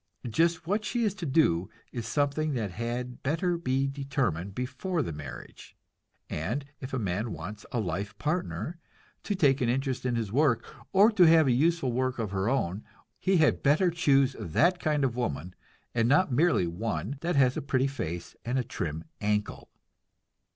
Just what she is to do is something that had better be determined before marriage; and if a man wants a life partner, to take an interest in his work, or to have a useful work of her own, he had better choose that kind of woman, and not merely one that has a pretty face and a trim ankle.